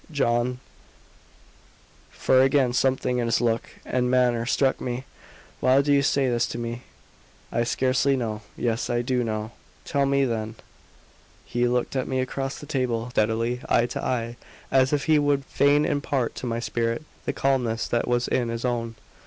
John," for again something in his look and manner struck me "why do you say this to me?" "I scarcely know. Yes, I do know." "Tell me, then." He looked at me across the table steadily, eye to eye, as if he would fain impart to my spirit the calmness that was in his own.